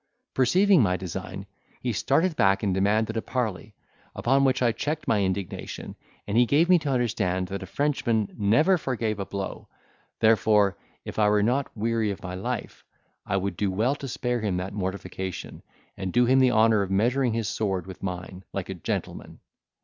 Perceiving my design, he started back and demanded a parley; upon which I checked my indignation, and he gave me to understand that a Frenchman never forgave a blow; therefore, if I were not weary of my life, I would do well to spare him that mortification, and do him the honour of measuring his sword with mine, like a gentleman.